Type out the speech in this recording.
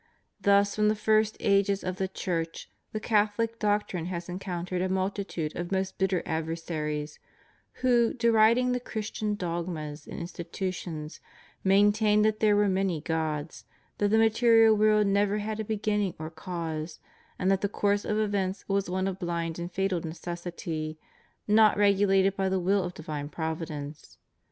Thus from the very first ages of the Church the Catholic doctrine has encountered a multitude of most bitter adversaries, who, deriding the Christian dogmas and institutions, maintained that there were many gods, that the material world never had a beginning or cause, and that the course of events was one of blind and fatal necessity, not regulated by the will of divine Provi dence.